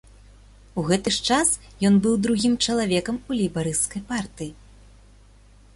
У гэты ж час ён быў другім чалавекам у лейбарысцкай партыі.